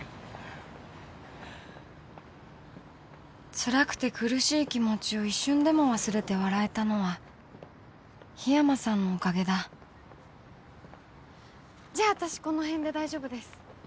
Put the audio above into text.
つらくて苦しい気持ちを一瞬でも忘れて笑えたのはじゃあ私この辺で大丈夫です。